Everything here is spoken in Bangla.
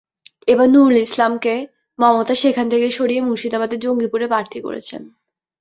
এবার নুরুল ইসলামকে মমতা সেখান থেকে সরিয়ে মুর্শিদাবাদের জঙ্গিপুরে প্রার্থী করেছেন।